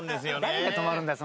誰が泊まるんだよ